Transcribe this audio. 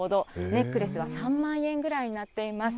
ネックレスは３万円ぐらいになっています。